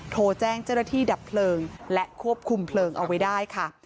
โทรแจ้งเจ้าหน้าที่ดับเพลิงและควบคุมเพลิงเอาไว้ได้ค่ะ